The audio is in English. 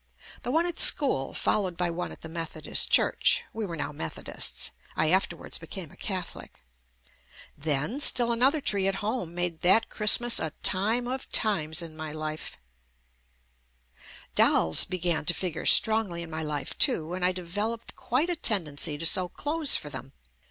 The one at school followed by one at the Methodist Church (we were now Methodists — I afterwards became a Catholic). Then still another tree at home made that Christmas a time of times in my life, JUST ME Dolls began to figure strongly in my life too, and I developed quite a tendency to sew clothes for them.